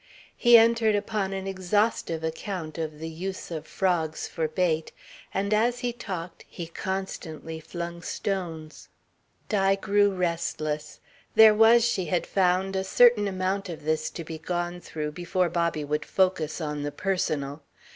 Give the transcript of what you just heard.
He entered upon an exhaustive account of the use of frogs for bait, and as he talked he constantly flung stones. Di grew restless. There was, she had found, a certain amount of this to be gone through before Bobby would focus on the personal.